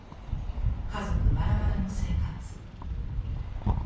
家族バラバラの生活。